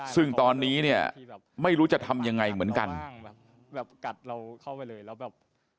ซึ่งตอนนี้เนี่ยไม่รู้จะทำยังไงเหมือนกันใช่แบบกัดเราเข้าไปเลยแล้วแบบ